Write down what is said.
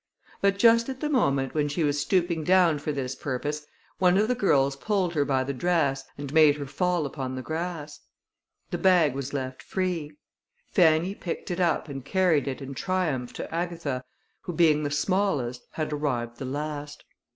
But just at the moment, when she was stooping down for this purpose, one of the girls pulled her by the dress and made her fall upon the grass. The bag was left free: Fanny picked it up and carried it in triumph to Agatha, who being the smallest had arrived the last.